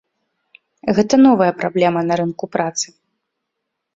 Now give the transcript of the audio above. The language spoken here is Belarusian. Гэта новая праблема на рынку працы.